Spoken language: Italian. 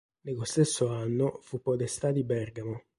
Nello stesso anno fu podestà di Bergamo.